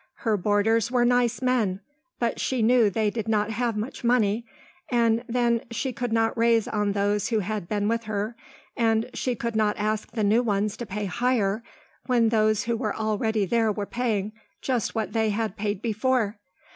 Her boarders were nice men but she knew they did not have much money, and then she could not raise on those who had been with her and she could not ask the new ones to pay higher, when those who were already there were paying just what they had paid before.